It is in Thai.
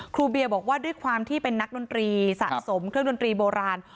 เบียบอกว่าด้วยความที่เป็นนักดนตรีสะสมเครื่องดนตรีโบราณ